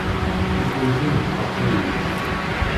Tutlayt-im d taqbaylit.